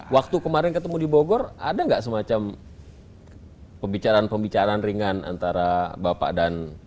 waktu kemarin ketemu di bogor ada nggak semacam pembicaraan pembicaraan ringan antara bapak dan